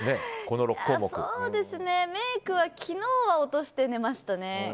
メイクは昨日は落として寝ましたね。